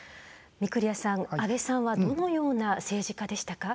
御厨さん、安倍さんはどのような政治家でしたか？